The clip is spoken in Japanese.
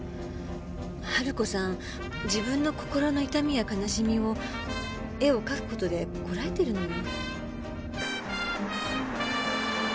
春子さん自分の心の痛みや悲しみを絵を描く事でこらえてるのよ。